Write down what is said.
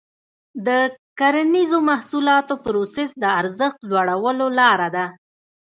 د کرنیزو محصولاتو پروسس د ارزښت لوړولو لاره ده.